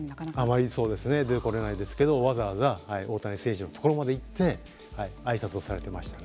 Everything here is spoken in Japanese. あまり出てこないですけど大谷選手のところまで行ってあいさつをされていましたね。